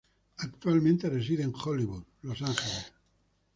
Actualmente reside en Hollywood, Los Ángeles.